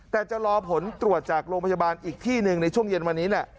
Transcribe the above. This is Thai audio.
แต่จะรอผลตรวจจากโรงพยาบาลอีกที่หนึ่งในช่วงเย็นวันนี้แหละ